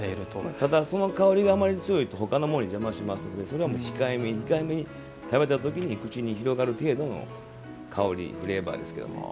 ただ、その香りが強いとほかのものの邪魔をしますので控えめに食べたときに口に広がる程度のフレーバーですけどね。